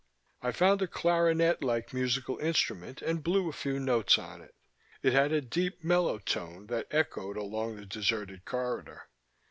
I found a clarinet like musical instrument and blew a few notes on it. It had a deep mellow tone that echoed along the deserted corridor.